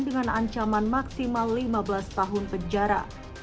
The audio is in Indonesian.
dengan ancaman maksimal lima belas tahun penjara